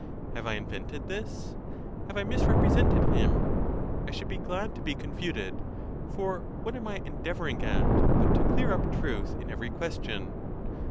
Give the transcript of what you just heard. Have I invented this? have I misrepre sented him? I should be glad to be confuted; for what am I endeavoring at but to clear up truth in every ques tion?